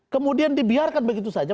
kemudian dibiarkan begitu saja